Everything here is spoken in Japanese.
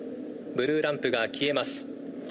ブルーランプが消えます。